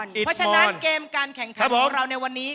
เพราะฉะนั้นเกมการแข่งขันของเราในวันนี้